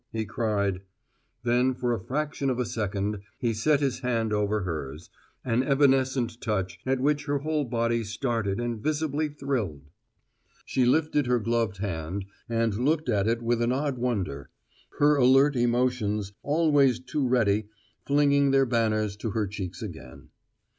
he cried. Then for a fraction of a second he set his hand over hers, an evanescent touch at which her whole body started and visibly thrilled. She lifted her gloved hand and looked at it with an odd wonder; her alert emotions, always too ready, flinging their banners to her cheeks again.